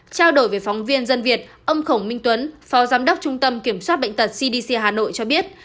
trao đổi với phóng viên dân việt ông khổng minh tuấn phó giám đốc trung tâm kiểm soát bệnh tật cdc hà nội cho biết